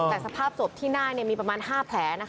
แต่สภาพศพที่หน้ามีประมาณ๕แผล